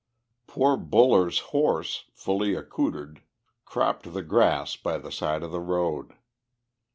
Poor Buller's horse, fully accoutred, cropped the grass by the side of the road.